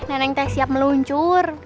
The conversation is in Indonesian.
neneng teh siap meluncur